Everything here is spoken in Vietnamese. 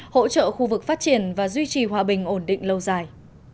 hỗ trợ khu vực phát triển và duy trì hòa bình ổn định lâu dài